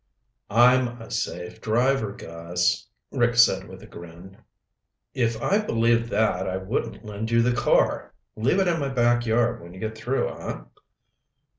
"I'm a safe driver, Gus," Rick said with a grin. "If I believed that I wouldn't lend you the car. Leave it in my back yard when you get through, huh?"